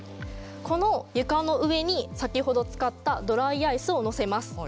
この床の上に先ほど使ったドライアイスを乗せます。